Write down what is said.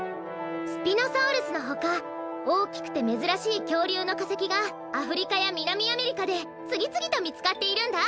スピノサウルスのほかおおきくてめずらしいきょうりゅうのかせきがアフリカやみなみアメリカでつぎつぎとみつかっているんだ！